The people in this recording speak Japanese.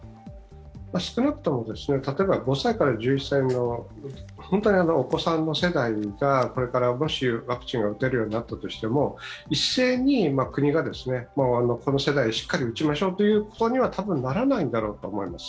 少なくとも例えば５歳から１１歳の本当にお子さんの世代がこれからもしワクチンが打てるようになったとしても一斉に国がこの世代に打ちましょうということには多分ならないんだと思います。